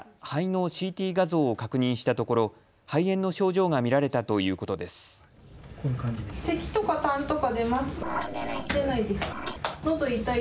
肺炎の症状が見られたということです。